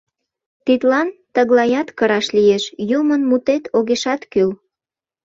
Тидлан тыглаят кыраш лиеш, юмын мутет огешат кӱл.